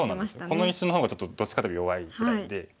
この石の方がちょっとどっちかというと弱いぐらいで。